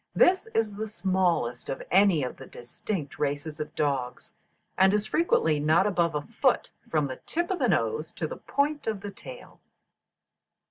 This is the smallest of any of the distinct races of dogs, and is frequently not above a foot from the tip of the nose to the point of the tail.